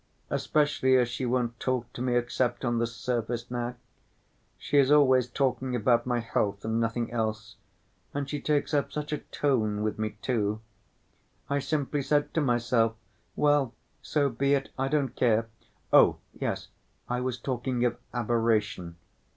Especially as she won't talk to me except on the surface now. She is always talking about my health and nothing else, and she takes up such a tone with me, too. I simply said to myself, 'Well, so be it. I don't care'... Oh, yes. I was talking of aberration.